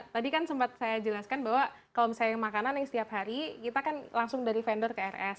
tadi kan sempat saya jelaskan bahwa kalau misalnya makanan yang setiap hari kita kan langsung dari vendor ke rs